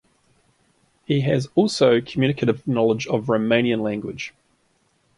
He has also communicative knowledge of Romanian language.